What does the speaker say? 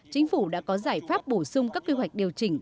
chính phủ đã có giải pháp bổ sung các quy hoạch điều chỉnh